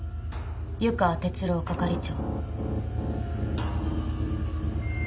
湯川哲郎係長。